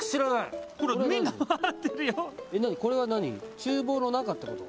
厨房の中ってこと？